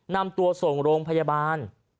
นำตัวส่งโรงพยาบาล